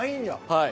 はい。